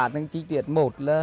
những chi tiết một là